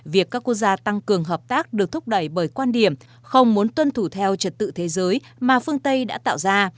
việc các quốc gia tăng cường hợp tác được thúc đẩy bởi quan điểm không muốn tuân thủ theo trật tự thế giới mà phương tây đã tạo ra